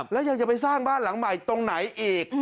แล้วยังจะไปสร้างบ้านหลังใหม่ตรงไหนอีก